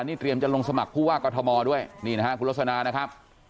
นี่เตรียมจะลงสมัครผู้ว่ากอทมด้วยนี่นะฮะคุณลสนานะครับ